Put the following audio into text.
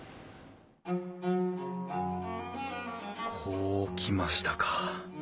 こうきましたかあ。